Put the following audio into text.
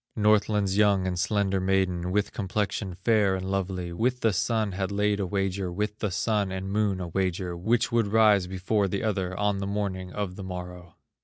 Northland's young and slender maiden, With complexion fair and lovely, With the Sun had laid a wager, With the Sun and Moon a wager, Which should rise before the other, On the morning of the morrow.